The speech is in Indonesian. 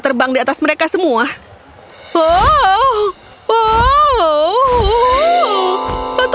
oke kita akan kemati terhadap teman tertentu